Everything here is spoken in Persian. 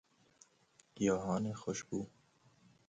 گیاهان خوشبو